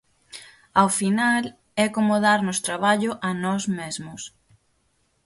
Ao final é como darnos traballo a nós mesmos.